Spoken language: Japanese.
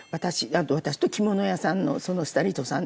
私と着物屋さんのスタイリストさん。